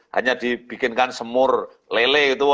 hanya dibikinkan semur lele itu